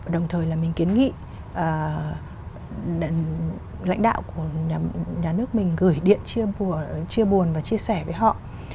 đồng thời là mình kiến nghị lãnh đạo của nhà nước mình gửi điện chia buồn và chia sẻ với họ